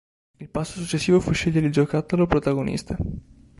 Il passo successivo fu scegliere il giocattolo protagonista.